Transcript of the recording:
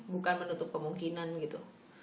bukan menutup kemungkinan gitu